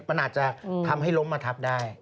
มันอาจจะทำให้ล้มมาทับได้